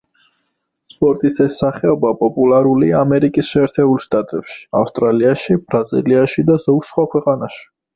სპორტის ეს სახეობა პოპულარულია ამერიკის შეერთებულ შტატებში, ავსტრალიაში, ბრაზილიაში და ზოგ სხვა ქვეყანაში.